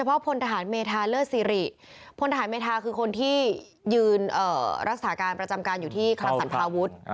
พลถามมีทางคือคนที่ยืนรัศนาการประจำการอยู่ที่คลัมศรผาวุฒิ